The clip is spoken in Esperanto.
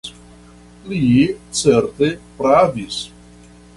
Li certe pravis.